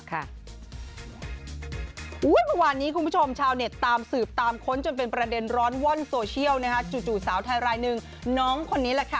เมื่อวานนี้คุณผู้ชมชาวเน็ตตามสืบตามค้นจนเป็นประเด็นร้อนว่อนโซเชียลจู่สาวไทยรายหนึ่งน้องคนนี้แหละค่ะ